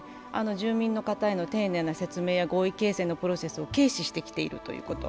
住民の方への丁寧な説明や合意形成のプロセスを軽視してきているということ。